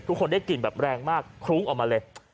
ทุกคนได้กลิ่นแบบแรงมากคลุ้งออกมาเลย